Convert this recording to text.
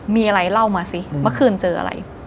มีอะไรเล่ามาสิเมื่อคืนเจออะไร